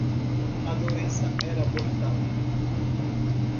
A doença era mortal.